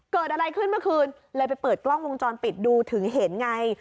เกิดอะไรขึ้นเมื่อคืนเลยไปเปิดกล้องวงจรปิดดูถึงเห็นไง